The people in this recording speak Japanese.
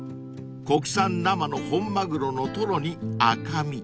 ［国産生の本マグロのトロに赤身］